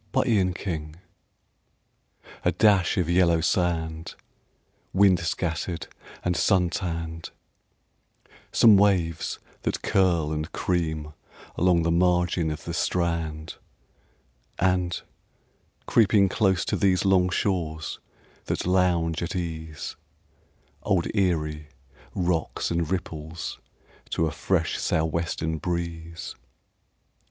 ERIE WATERS A dash of yellow sand, Wind scattered and sun tanned; Some waves that curl and cream along the margin of the strand; And, creeping close to these Long shores that lounge at ease, Old Erie rocks and ripples to a fresh sou' western breeze.